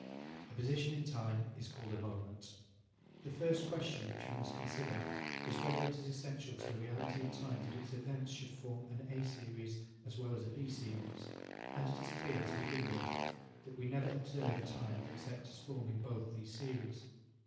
A position in time is called a moment. The first question which we must consider is whether it is essential to the reality of time that its events should form an A series as well as a B series. And it is clear, to begin with, that we never observe time except as forming both these series.